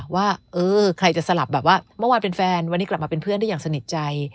ว่าเออใครจะสลับแบบว่าเมื่อวานเป็นแฟนวันนี้กลับมาเป็นเพื่อนได้อย่างสนิทใจ